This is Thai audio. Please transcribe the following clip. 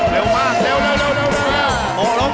เร็วมากเร็วเร็วเร็วเร็ว